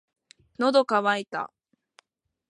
喉乾いた